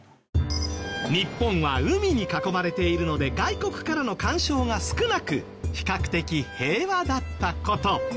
日本は海に囲まれているので外国からの干渉が少なく比較的平和だった事。